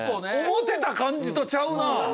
思てた感じとちゃうなぁ。